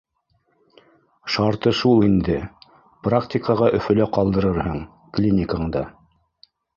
Шарты шул инде практикаға Өфөлә ҡалдырырһың, клиникаңда